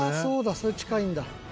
それ近いんだ。